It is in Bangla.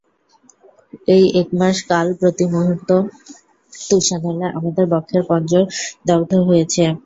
এই এক-মাস-কাল প্রতিমুহূর্ত তুষানলে আমাদের বক্ষের পঞ্জর দগ্ধ হয়েছে।